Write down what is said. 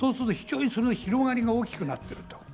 そういう広がりが大きくなっている。